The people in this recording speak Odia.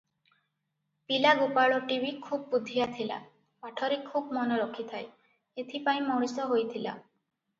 ପିଲା ଗୋପାଳଟି ବି ଖୁବ୍ ବୁଦ୍ଧିଆ ଥିଲା; ପାଠରେ ଖୁବ୍ ମନ ରଖିଥାଏ, ଏଥିପାଇଁ ମଣିଷ ହୋଇଥିଲା ।